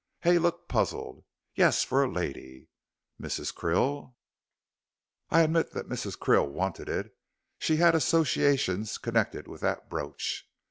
Hay looked puzzled. "Yes, for a lady." "Mrs. Krill?" "I admit that Mrs. Krill wanted it. She had associations connected with that brooch."